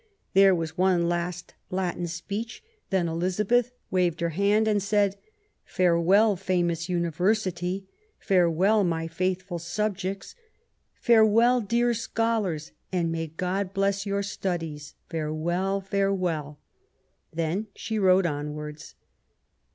There was one last Latin speech ; then Elizabeth waved her hand and said :Farewell, famous University ; farewell, my faithful subjects ; farewell, dear scholars ; and may God bless your studies. Farewell, farewell." Then she rode onwards.